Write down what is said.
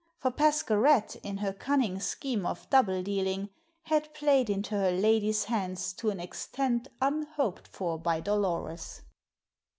For Pascherette, in her cunning scheme of double dealing, had played into her lady's hands to an extent unhoped for by Dolores.